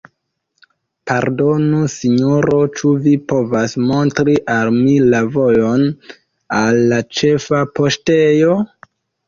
Pardonu, Sinjoro, ĉu vi povas montri al mi la vojon al la ĉefa poŝtejo?